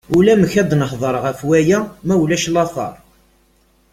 Ulamek ad nehder ɣef waya ma ulac later.